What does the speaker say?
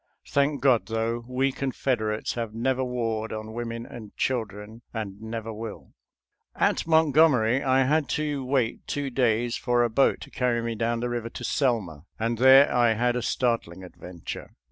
Thank God, though, we Confederates have never warred on women and children, and n^ver will. *•• At Montgomery I had to wait two days for a boat to carry me down the river to Selma, and there I had a startling adventure.